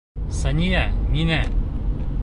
Сания, миңә...